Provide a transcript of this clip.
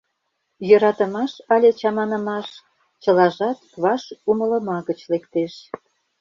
Йӧратымаш але чаманымаш — чылажат ваш умылыма гыч лектеш.